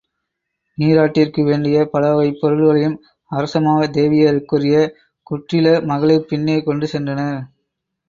நீராட்டிற்கு வேண்டிய பல வகைப் பொருள்களையும் அரசமாதேவியருக்குரிய குற்றிள மகளிர் பின்னே கொண்டு சென்றனர்.